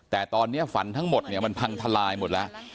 แต่ตอนนี้ฝันทั้งหมดเนี่ยมันพังทลายหมดแล้ว